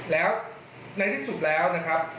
แล้วในที่สุดแล้วนะครับ